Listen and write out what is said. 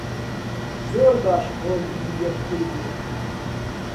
زۆر باش هۆگری یەکتر بووین